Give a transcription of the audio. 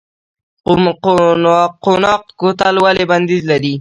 قوناق کوتل ولې بندیز لري؟